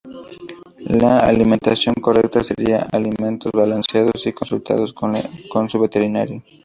La alimentación correcta sería alimentos balanceados y consultado con su veterinario.